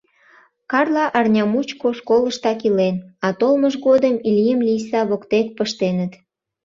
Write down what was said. Карла арня мучко школыштак илен, а толмыж годым Иллим Лийса воктек пыштеныт.